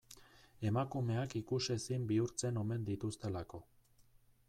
Emakumeak ikusezin bihurtzen omen dituztelako.